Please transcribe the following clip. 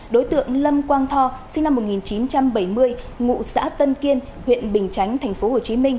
đối tượng lâm quang tho sinh năm một nghìn chín trăm bảy mươi ngụ xã tân kiên huyện bình chánh tp hcm